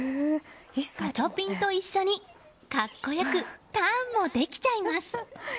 ガチャピンと一緒に格好良くターンもできちゃいます。